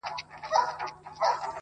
هر سړي ته خپله ورځ او قسمت ګوري٫